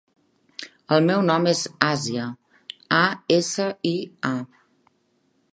El meu nom és Asia: a, essa, i, a.